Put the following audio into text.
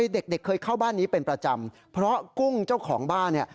เด็กเคยเข้าบ้านนี้เป็นประจำเพราะกุ้งเจ้าของบ้านเนี่ย